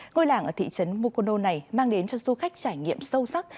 ngôi làng ở thị trấn mukono này mang đến cho du khách trải nghiệm sâu sắc